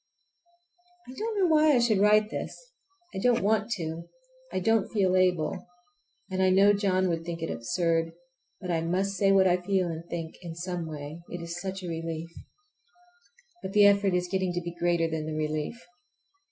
I don't know why I should write this. I don't want to. I don't feel able. And I know John would think it absurd. But I must say what I feel and think in some way—it is such a relief! But the effort is getting to be greater than the relief.